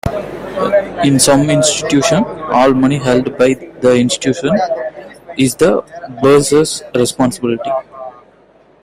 In some institutions, all money held by the institution is the bursar's responsibility.